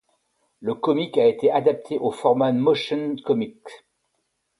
Le comic a été adapté au format motion comic.